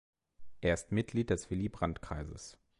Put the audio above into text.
Er ist Mitglied des Willy-Brandt-Kreises.